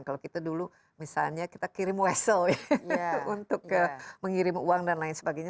kalau kita dulu misalnya kita kirim wesel untuk mengirim uang dan lain sebagainya